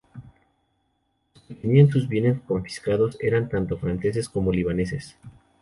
Los que tenían sus bienes confiscados eran tanto franceses como libaneses.